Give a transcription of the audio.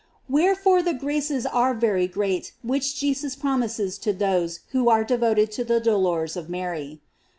J Wherefore the graces are very great which Jesus promises to those who are devoted to the dolors of Mary.